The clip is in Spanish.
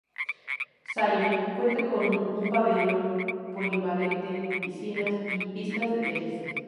Sallent cuenta con un pabellón polivalente, piscinas y pistas de tenis.